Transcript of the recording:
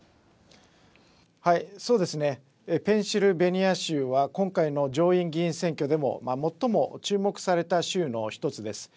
そうですね、ペンシルベニア州は今回の上院議員選挙でも最も注目された州の１つです。